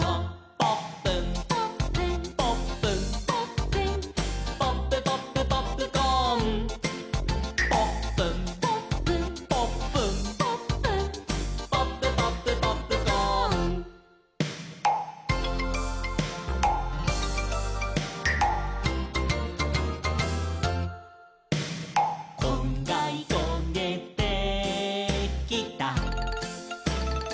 「ポップン」「ポップン」「ポップン」「ポップン」「ポップポップポップコーン」「ポップン」「ポップン」「ポップン」「ポップン」「ポップポップポップコーン」「こんがりこげてきた」